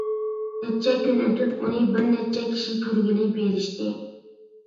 نەچچە كۈن ئۆتۈپ ئۇنى بىرنەچچە كىشى كۆرگىلى بېرىشتى.